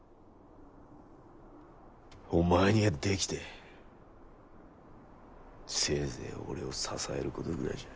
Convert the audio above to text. お前にはできてせいぜい俺を支えることぐらいじゃ。